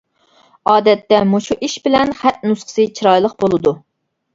ئادەتتە مۇشۇ ئىش بىلەن خەت نۇسخىسى چىرايلىق بولىدۇ.